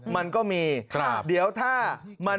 มันก็มีเดี๋ยวถ้ามัน